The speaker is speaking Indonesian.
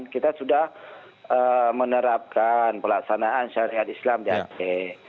kita sudah menerapkan pelaksanaan syariat islam di aceh